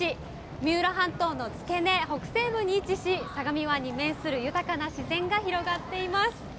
三浦半島の付け根、北西部に位置し、相模湾に面する豊かな自然が広がっています。